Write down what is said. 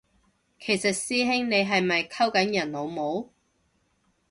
其實師兄你係咪溝緊人老母？